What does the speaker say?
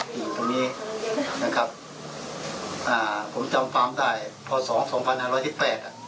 อยู่ตรงนี้นะครับอ่าผมจำความได้พสองสองพันห้าร้อยยี่แปดอ่ะ